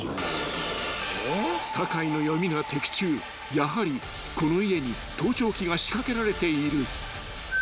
［やはりこの家に盗聴器が仕掛けられている］